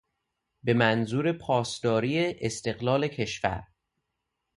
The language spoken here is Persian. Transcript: به منظور پاسداری استقلال کشور